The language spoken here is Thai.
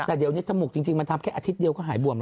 แต่เดี๋ยวนี้จมูกจริงมันทำแค่อาทิตย์เดียวก็หายบวมแล้ว